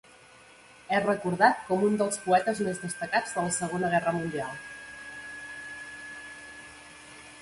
És recordat com un dels poetes més destacats de la Segona Guerra Mundial.